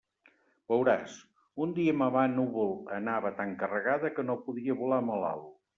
Veuràs: un dia Mamà-Núvol anava tan carregada que no podia volar molt alt.